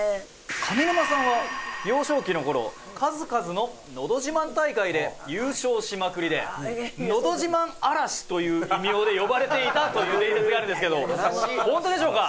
上沼さんは幼少期の頃数々ののど自慢大会で優勝しまくりで「のど自慢荒らし」という異名で呼ばれていたという伝説があるんですけど本当でしょうか？